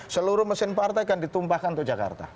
seluruh mesin partai kan ditumpahkan ke jakarta